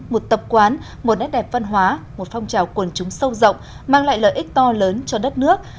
một tập quán một nét đẹp văn hóa một phong trào quần chúng sâu rộng mang lại lợi ích to lớn cho đất nước